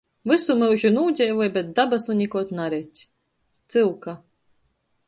Vysu myužu nūdzeivoj, bet dabasu nikod naredz. Cyuka.